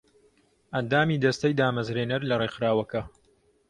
ئەندامی دەستەی دامەزرێنەر لە ڕێکخراوەکە